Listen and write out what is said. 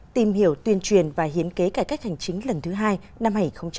tìm hiểu tuyên truyền và hiến kế cải cách hành chính lần thứ hai năm hai nghìn hai mươi